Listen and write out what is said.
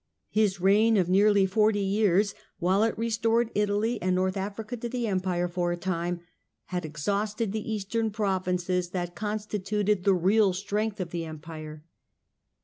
His reign of nearly forty years, while it had restored Italy and North Airica to the Empire for a time, had exhausted the Eastern provinces that constituted the real strength 3f the Empire.